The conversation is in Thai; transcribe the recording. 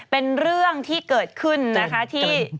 เป็นเรื่องที่เกิดขึ้นนะคะที่